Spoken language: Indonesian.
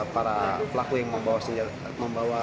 para pelaku yang membawa